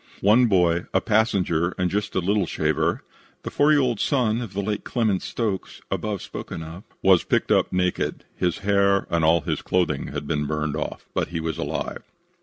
"One boy, a passenger and just a little shaver [the four year old son of the late Clement Stokes, above spoken of] was picked up naked. His hair and all his clothing had been burned off, but he was alive.